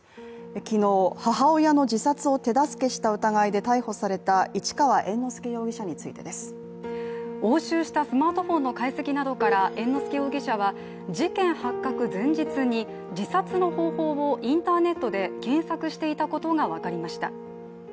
昨日、母親の自殺を手助けした疑いで逮捕された市川猿之助容疑者についてです。押収したスマートフォンの解析などから猿之助容疑者は事件発覚前日に自殺の方法をインターネットで検索していたことが分かりました。